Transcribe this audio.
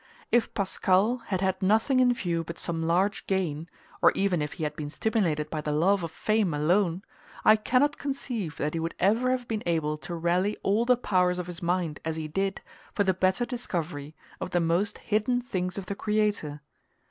If Pascal had had nothing in view but some large gain, or even if he had been stimulated by the love of fame alone, I cannot conceive that he would ever have been able to rally all the powers of his mind, as he did, for the better discovery of the most hidden things of the Creator.